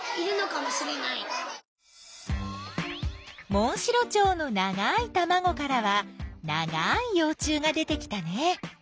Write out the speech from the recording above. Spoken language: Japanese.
モンシロチョウのながいたまごからはながいよう虫が出てきたね。